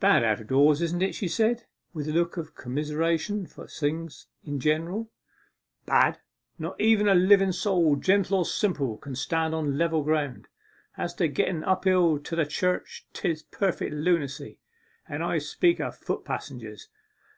'Bad out of doors, isn't it?' she said, with a look of commiseration for things in general. 'Bad? Not even a liven soul, gentle or simple, can stand on level ground. As to getten up hill to the church, 'tis perfect lunacy. And I speak of foot passengers.